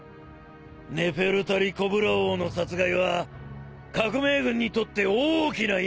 ネフェルタリ・コブラ王の殺害は革命軍にとって大きな意味があった。